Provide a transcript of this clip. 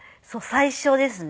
最初ですね。